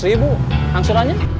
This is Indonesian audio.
lima ratus ribu hangsurannya